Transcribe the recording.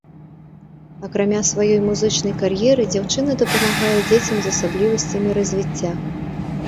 Акрамя сваёй музычнай кар'еры, дзяўчына дапамагае дзецям з асаблівасцямі развіцця.